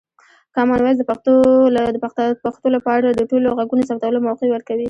کامن وایس د پښتو لپاره د ټولو غږونو ثبتولو موقع ورکوي.